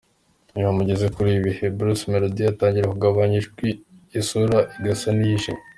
Iyo mugeze kuri ibi bihe, Bruce Melody atangira kugabanya ijwi, isura igasa n’iyijimye.